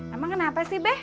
emang kenapa sih be